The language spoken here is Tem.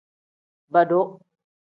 Bodu.